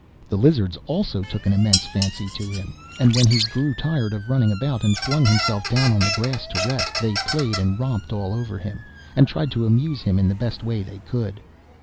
The Lizards also took an immense fancy to him, and when he grew tired of running about and flung himself down on the grass to rest, they played and romped all over him, and tried to amuse him in the best way they could.